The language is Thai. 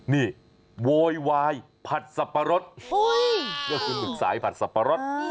นี่โวยวายผัดสับปะรดก็คือหมึกสายผัดสับปะรด